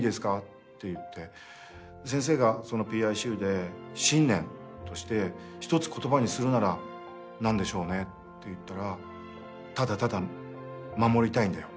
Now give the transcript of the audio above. って言って先生がＰＩＣＵで信念として１つ言葉にするなら何でしょうねって言ったら「ただただ守りたいんだよ」っていう。